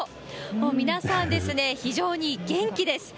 皆さん、非常に元気です。